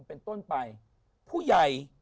เป็นต้นไปผู้ใหญ่